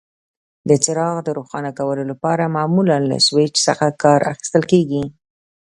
د څراغ د روښانه کولو لپاره معمولا له سویچ څخه کار اخیستل کېږي.